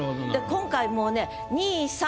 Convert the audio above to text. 今回もうね。